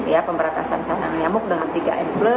ya pemberantasan selanjang nyamuk dengan tiga n